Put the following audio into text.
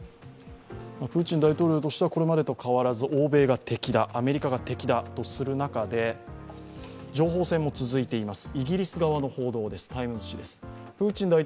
プーチン大統領としてはこれまでと変わらず欧米が敵だアメリカが敵だとする中で情報戦も続いています。